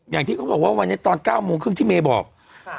อย่างที่เขาบอกว่าวันนี้ตอนเก้าโมงครึ่งที่เมย์บอก